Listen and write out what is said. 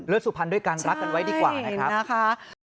สุพรรณด้วยการรักกันไว้ดีกว่านะครับ